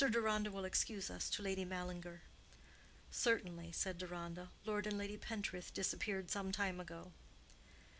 Deronda will excuse us to Lady Mallinger." "Certainly," said Deronda. "Lord and Lady Pentreath disappeared some time ago."